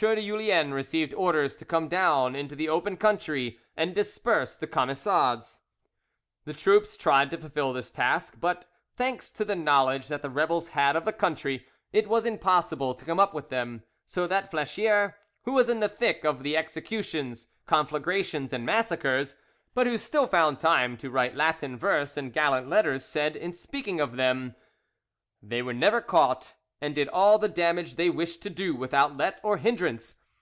de Julien received orders to come down into the open country and disperse the Camisards. The troops tried to fulfil this task, but, thanks to the knowledge that the rebels had of the country, it was impossible to come up with them, so that Fleshier, who was in the thick of the executions, conflagrations, and massacres, but who still found time to write Latin verse and gallant letters, said, in speaking of them, "They were never caught, and did all the damage they wished to do without let or hindrance.